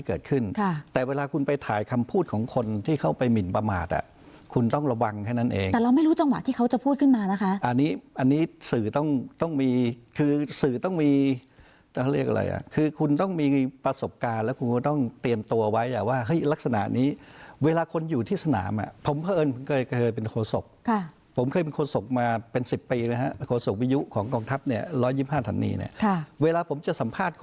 เขาจะพูดขึ้นมานะคะอันนี้อันนี้สื่อต้องต้องมีคือสื่อต้องมีจะเรียกอะไรอ่ะคือคุณต้องมีประสบการณ์แล้วคุณต้องเตรียมตัวไว้อ่ะว่าเฮ้ยลักษณะนี้เวลาคนอยู่ที่สนามอ่ะผมเผอิญเกิดเป็นโคสกค่ะผมเคยเป็นโคสกมาเป็นสิบปีนะฮะโคสกวิยุของกองทัพเนี่ยร้อยยิบห้าฐานีเนี่ยค่ะเวลาผมจะสัมภาษ